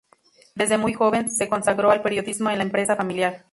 Desde muy joven se consagró al periodismo en la empresa familiar.